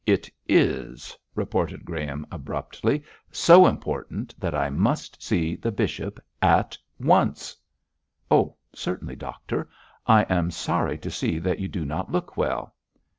'It is,' retorted Graham, abruptly; 'so important that I must see the bishop at once.' 'Oh, certainly, doctor. I am sorry to see that you do not look well.'